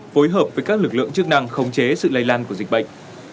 phối hợp với các lực lượng chức năng khống chế sự lây lan của dịch bệnh